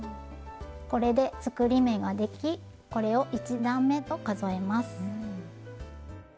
これで作り目ができこれを１段めと数えます。